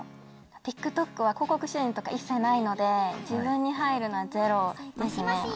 ＴｉｋＴｏｋは広告収入とか一切ないので自分に入るのはゼロですね。